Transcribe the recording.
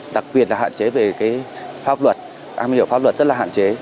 đặc biệt là hạn chế về cái pháp luật am hiểu pháp luật rất là hạn chế